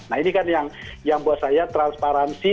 nah ini kan yang buat saya transparansi